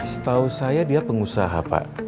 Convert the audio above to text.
setahu saya dia pengusaha pak